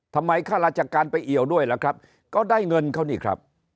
ข้าราชการไปเอี่ยวด้วยล่ะครับก็ได้เงินเขานี่ครับ